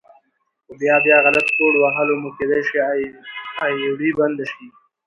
په بيا بيا غلط کوډ وهلو مو کيدی شي آئيډي بنده شي